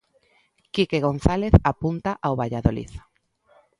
Quique González apunta ao Valladolid.